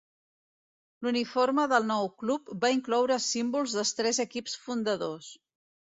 L'uniforme del nou club va incloure símbols dels tres equips fundadors.